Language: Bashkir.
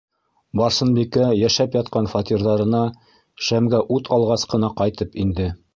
Барсынбикә йәшәп ятҡан фатирҙарына шәмгә ут алғас ҡына ҡайтып инде.